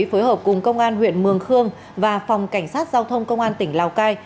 phối hợp cùng công an huyện mường khương và phòng cảnh sát giao thông công an tỉnh lào cai